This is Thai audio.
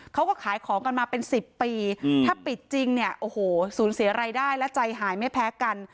เขาก็ขายของกันมาเป็น๑๐ปีถ้าปิดจริงเนี่ยโอ้โหสูญเสียรายได้และใจหายไม่แพ้กัน